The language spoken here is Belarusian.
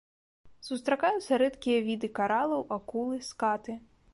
Сустракаюцца рэдкія віды каралаў, акулы, скаты.